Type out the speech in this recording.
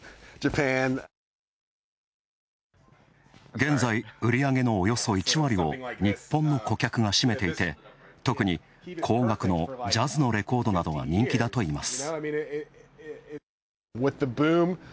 現在、売り上げのおよそ１割を日本の顧客が占めていて特に高額のジャズのレコードなどが人気だといいます。